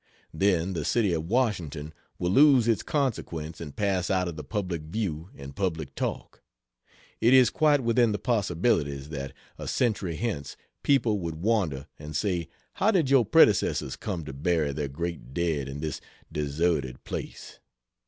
Then the city of Washington will lose its consequence and pass out of the public view and public talk. It is quite within the possibilities that, a century hence, people would wonder and say, "How did your predecessors come to bury their great dead in this deserted place?"